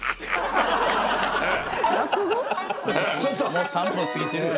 もう３分過ぎてるよ。